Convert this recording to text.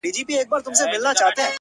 • شالمار به په زلمیو هوسېږي,